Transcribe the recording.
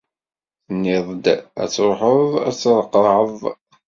Tenniḍ-d ad tṛuḥeḍ ad t-tṛeqɛeḍ.